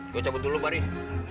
gua cabut dulu bar ya